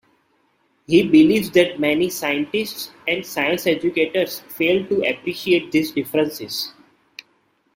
He believes that many scientists and science educators fail to appreciate these differences.